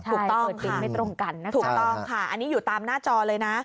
ถูกต้องค่ะอันนี้อยู่ตามหน้าจอเลยนะ